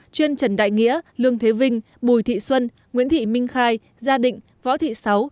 chuyên trần đại nghĩa lương thế vinh bùi thị xuân nguyễn thị minh khai gia định võ thị sáu